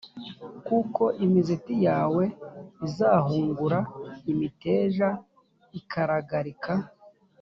kuko imizeti yawe izahungura imiteja ikaragarika.